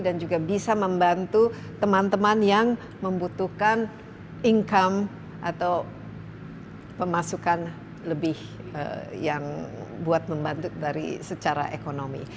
dan juga bisa membantu teman teman yang membutuhkan income atau pemasukan lebih yang buat membantu dari secara ekonomi